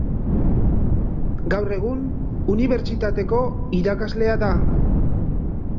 Gaur egun, unibertsitateko irakaslea da.